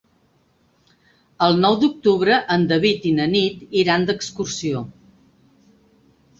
El nou d'octubre en David i na Nit iran d'excursió.